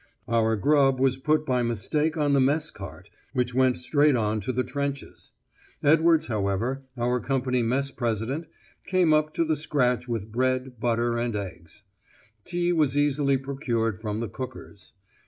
Our grub was put by mistake on the mess cart which went straight on to the trenches! Edwards, however, our Company mess president, came up to the scratch with bread, butter, and eggs. Tea was easily procured from the cookers.